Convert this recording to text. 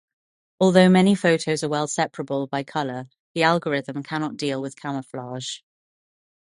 Although many photos are well-separable by color, the algorithm cannot deal with camouflage.